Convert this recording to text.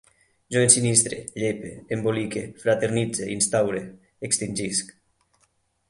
Jo ensinistre, llepe, embolique, fraternitze, instaure, extingisc